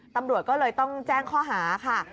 ตำรวจก็เลยต้องแจ้งข้อหาค่ะ